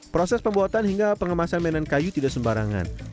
proses pembuatan hingga pengemasan mainan kayu tidak sembarangan